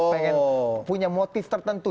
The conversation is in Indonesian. pengen punya motif tertentu